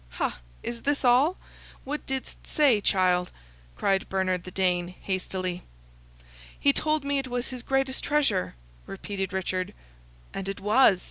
"Ha! is this all? What didst say, child?" cried Bernard the Dane, hastily. "He told me it was his greatest treasure!" repeated Richard. "And it was!"